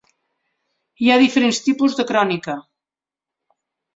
Hi ha diferents tipus de crònica.